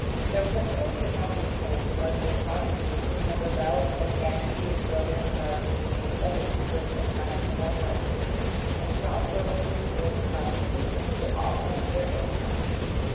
Their principal female patrons are those prostitutes who have rebelled against the exorbitant charges made by keepers of fashionable houses, and shop girls who resort to prostitution to augment their income.